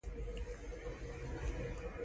بدرنګه ګام بدې لارې ته ځي